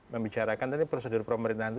membicarakan tadi prosedur pemerintahan itu